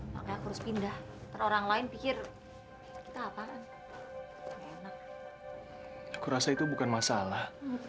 makanya kurus pindah orang lain pikir kita apaan aku rasa itu bukan masalah